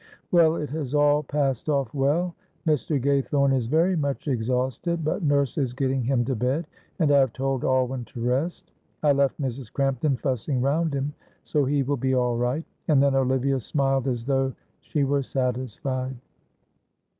Well, it has all passed off well. Mr. Gaythorne is very much exhausted, but nurse is getting him to bed, and I have told Alwyn to rest. I left Mrs. Crampton fussing round him, so he will be all right," and then Olivia smiled as though she were satisfied.